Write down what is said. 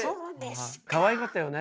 かわいかったよね